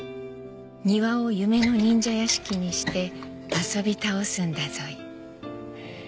「庭を夢の忍者屋敷にして遊び倒すんだぞい」